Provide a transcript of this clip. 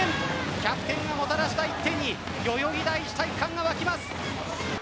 キャプテンがもたらした１点に代々木第一体育館が沸きます。